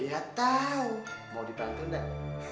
iya tau mau dibantu enggak